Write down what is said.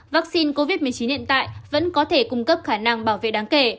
vaccine covid một mươi chín hiện tại vẫn có thể cung cấp khả năng bảo vệ đáng kể